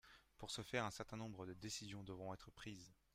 Pour ce faire, un certain nombre de décisions devront être prises.